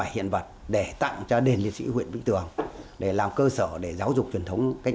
một trăm ba mươi bảy kiện vật để tặng cho đền liệt sử huyện vĩnh tường để làm cơ sở giáo dục truyền thống cách